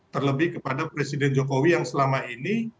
terlebih kepada presiden jokowi yang selama ini